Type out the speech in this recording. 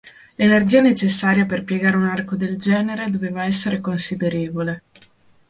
L'energia necessaria per piegare un arco del genere doveva essere considerevole.